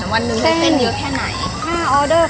วันนึงเส้นคือแค่ไหน